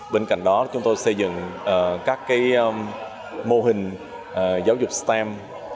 bên cạnh đó chúng tôi xây dựng các mô hình giáo dục stem